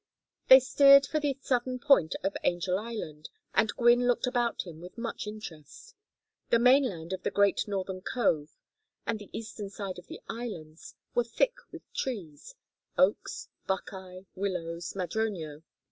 They steered for the southern point of Angel Island, and Gwynne looked about him with much interest. The mainland of the great northern cove and the eastern side of the Islands were thick with trees: oaks, buckeye, willows, madroño.